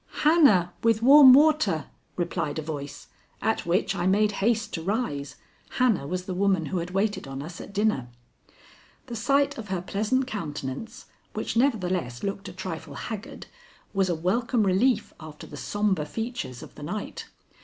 "Hannah with warm water," replied a voice, at which I made haste to rise. Hannah was the woman who had waited on us at dinner. The sight of her pleasant countenance, which nevertheless looked a trifle haggard, was a welcome relief after the sombre features of the night.